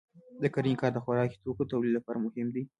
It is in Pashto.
د کرنې کار د خوراکي توکو د تولید لپاره مهم دی.